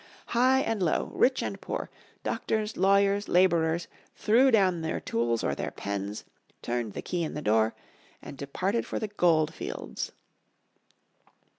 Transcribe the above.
High and low, rich and poor, lawyers, doctors, labourers, threw down their tools or their pens, turned the key in the door, and departed for the gold fields.